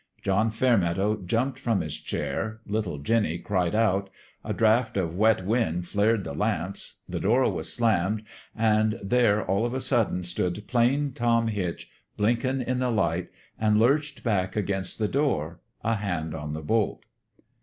John Fairmeadow jumped from his chair, little Jinny cried out, a draught o' wet wind 232 FA1RMEADOWS JUSTICE 233 flared the lamps, the door was slammed, an' there all of a sudden stood Plain Tom Hitch, blinkin' in the light, an' lurched back against the door, a hand on the bolt.